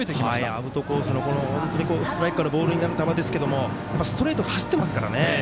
アウトコースのストライクからボールになる球ですがストレート、走ってますからね。